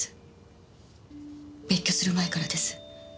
別居する前からです。